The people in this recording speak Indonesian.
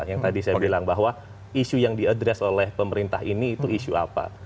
yang tadi saya bilang bahwa isu yang diadres oleh pemerintah ini itu isu apa